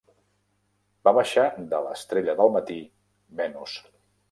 Va baixar de l'Estrella del matí, Venus.